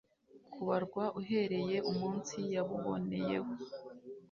kubarwa uhereye umunsi yabuboneyeho